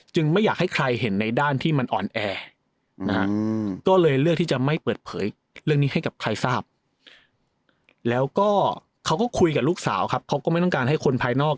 ไม่อยากให้ใครเห็นในด้านที่มันอ่อนแอนะฮะก็เลยเลือกที่จะไม่เปิดเผยเรื่องนี้ให้กับใครทราบแล้วก็เขาก็คุยกับลูกสาวครับเขาก็ไม่ต้องการให้คนภายนอก